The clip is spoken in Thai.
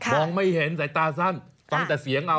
มองไม่เห็นใส่ตาสั้นต้องแต่เสียงเอา